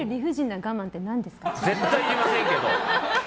絶対言いませんけど。